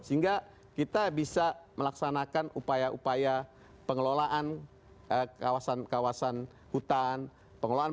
sehingga kita bisa melaksanakan upaya upaya pengelolaan kawasan kawasan hutan